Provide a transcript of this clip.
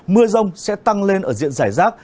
mưa rông sẽ tăng lên ở diện rải rác